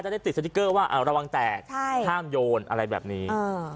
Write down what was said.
ได้ติดสติ๊กเกอร์ว่าระวังแตกใช่ห้ามโยนอะไรแบบนี้